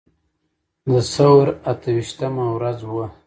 د ثور اته ویشتمه ورځ وه.